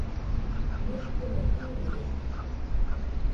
Ñekɨna jiiride